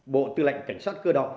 bộ tư lệnh cảnh sát cơ động